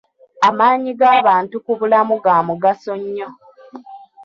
Amaanyi g'abantu ku bulamu ga mugaso nnyo.